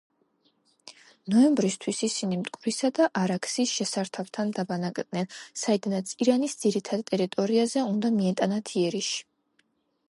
ნოემბრისთვის ისინი მტკვრისა და არაქსის შესართავთან დაბანაკდნენ, საიდანაც ირანის ძირითად ტერიტორიაზე უნდა მიეტანათ იერიში.